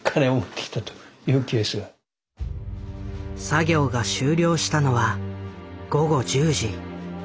作業が終了したのは午後１０時。